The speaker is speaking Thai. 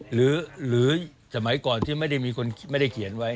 หรือสมัยก่อนที่ไม่ได้มีคนไม่ได้เขียนไว้